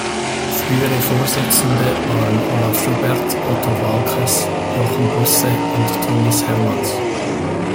Frühere Vorsitzende waren Olaf Schubert, Otto Waalkes, Jochen Busse und Thomas Hermanns.